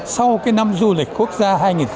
sau năm du lịch quốc gia hai nghìn một mươi một